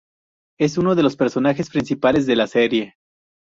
Es uno de los personajes principales de la serie.